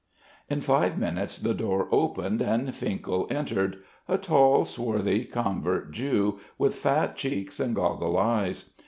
In five minutes the door opened and Finkel entered a tall, swarthy, convert Jew, with fat cheeks and goggle eyes.